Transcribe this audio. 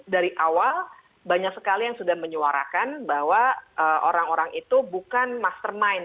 dari awal banyak sekali yang sudah menyuarakan bahwa orang orang itu bukan mastermind